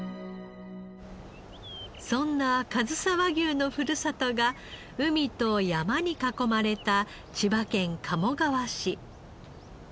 そんなかずさ和牛のふるさとが海と山に囲まれた千葉県鴨川市。